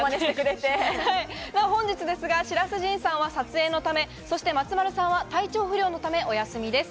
本日、白洲迅さんは撮影のため、松丸さんは体調不良のため、お休みです。